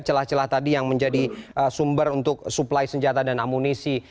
celah celah tadi yang menjadi sumber untuk suplai senjata dan amunisi